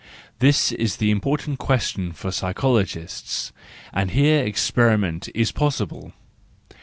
This is the im¬ portant question for psychologists: and here experiment is possible.